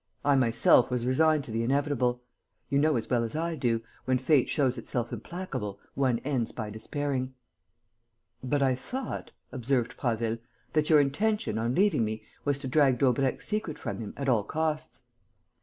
I myself was resigned to the inevitable.... You know as well as I do, when fate shows itself implacable, one ends by despairing." "But I thought," observed Prasville, "that your intention, on leaving me, was to drag Daubrecq's secret from him at all costs."